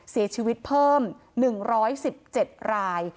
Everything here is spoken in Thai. เสียชีวิตเพิ่ม๑๑๗ราย